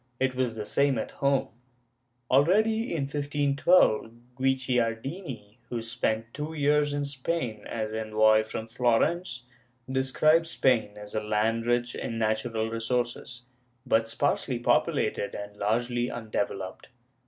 It was the same at home. Already, in 1512, Guicciardini, who spent two years in Spain as envoy from Florence, describes Spain as a land rich in natural resources, but sparsely populated and largely undeveloped.